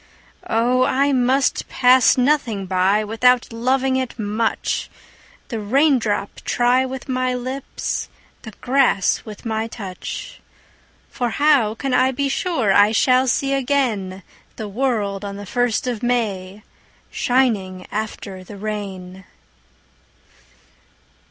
Oh I must pass nothing by Without loving it much, The raindrop try with my lips, The grass with my touch; For how can I be sure I shall see again The world on the first of May Shining after the rain?